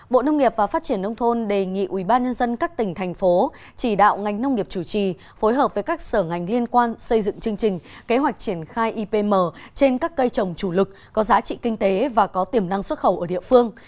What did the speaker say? bộ nông nghiệp và phát triển nông thôn đề nghị ubnd các tỉnh thành phố chỉ đạo ngành nông nghiệp chủ trì phối hợp với các sở ngành liên quan xây dựng chương trình kế hoạch triển khai ipm trên các cây trồng chủ lực có giá trị kinh tế và có tiềm năng xuất khẩu ở địa phương